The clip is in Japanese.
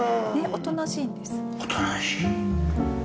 おとなしい。